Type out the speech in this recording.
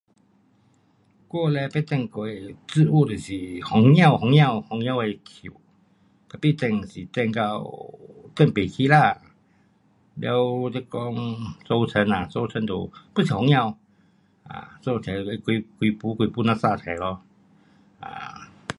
我嘞曾种出植物就是胡椒，胡椒，胡椒的树，tapi 种是种到，种不起啦，完你讲，收成啊，收成就 pun 是胡椒，啊收成几批几批这样生出咯。